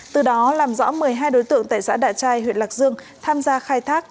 từ đó làm rõ một mươi hai đối tượng tại xã đạ trai huyện lạc dương tham gia khai thác